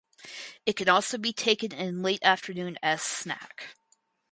It can also be taken in late afternoon as snack.